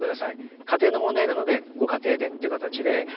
家庭の問題なのでご家庭でっていう形でかつてはですね